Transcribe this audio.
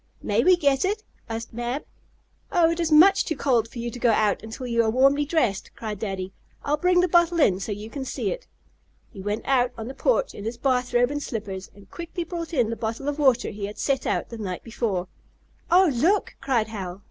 "May we get it?" asked Mab. "Oh, it is much too cold for you to go out until you are warmly dressed!" cried Daddy. "I'll bring the bottle in so you can see it." He went out on the porch in his bath robe and slippers, and quickly brought in the bottle of water he had set out the night before. "Oh, look!" cried Hal.